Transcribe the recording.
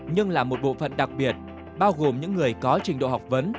nhưng là một bộ phận đặc biệt bao gồm những người có trình độ học vấn